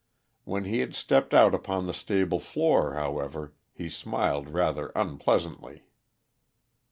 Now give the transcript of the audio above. When he had stepped out upon the stable floor, however, he smiled rather unpleasantly.